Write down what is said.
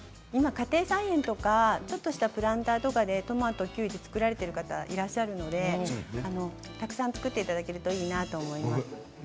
家庭菜園とかちょっとしたプランターとかでトマトを作っている方いらっしゃるのでたくさん作っていただけたらいいなと思います。